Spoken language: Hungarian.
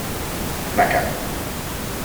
Nekem!